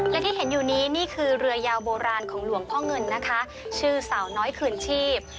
และที่เห็นอยู่นี้นี่คือเรือยาวโบราณของหลวงพ่อเงินนะคะชื่อสาวน้อยคืนชีพ